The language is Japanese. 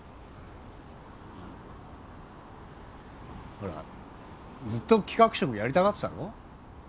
ほらずっと企画職やりたがってたろ？